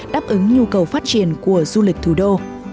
những nhu cầu phát triển của du lịch thủ đô